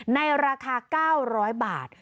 ในราคา๙๐๐บาท